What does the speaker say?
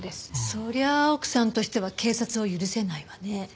そりゃあ奥さんとしては警察を許せないわね。